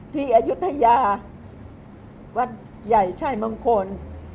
ที่อายุทยาวัดใหญ่ชายมังคล